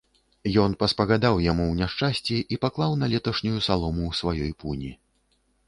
Ён паспагадаў яму ў няшчасці і паклаў на леташнюю салому ў сваёй пуні.